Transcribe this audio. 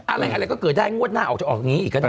อะไรก็เกิดได้งวดหน้าออกจะออกอย่างนี้อีกก็ได้